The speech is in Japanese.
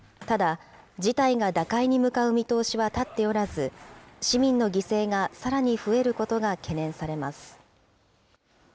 ただ、事態が打開に向かう見通しは立っておらず、市民の犠牲がさらに増えることが懸念されます。